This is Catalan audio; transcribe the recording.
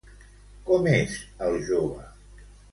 Com és el jove?